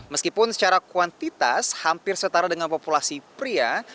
meskipun secara kuantitas hampir setara dengan populasi pria